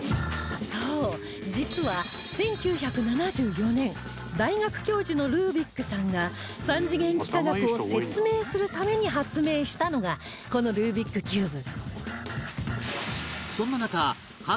そう実は１９７４年大学教授のルービックさんが三次元幾何学を説明するために発明したのがこのルービックキューブ